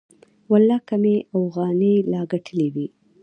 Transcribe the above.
ولله که مې اوغانۍ لا گټلې وي.